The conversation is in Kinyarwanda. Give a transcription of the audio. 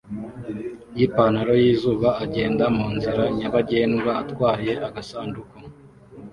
yipantaro yizuba agenda munzira nyabagendwa atwaye agasanduku